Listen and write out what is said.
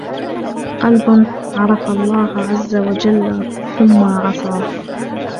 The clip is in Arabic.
قَلْبٌ عَرَفَ اللَّهَ عَزَّ وَجَلَّ ثُمَّ عَصَاهُ